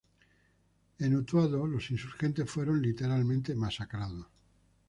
En Utuado, los insurgentes fueron literalmente masacrados.